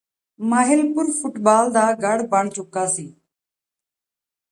Mahilpur football ਦਾ ਗੜ੍ਹ ਬਣ ਚੁੱਕਾ ਸੀ